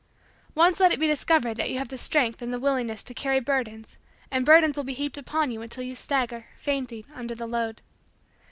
Once let it be discovered that you have the strength and the willingness to carry burdens and burdens will be heaped upon you until you stagger, fainting, under the load.